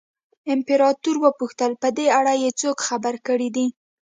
امپراتور وپوښتل په دې اړه یې څوک خبر کړي دي.